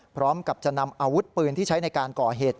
พร้อมกับจะนำอาวุธปืนที่ใช้ในการก่อเหตุ